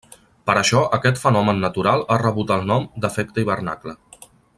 Per això aquest fenomen natural ha rebut el nom d'efecte hivernacle.